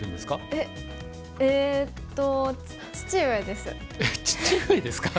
えっ父上ですか？